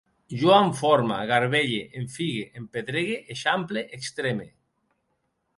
Jo enforme, garbelle, enfigue, empedregue, eixample, extreme